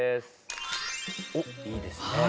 いいですね。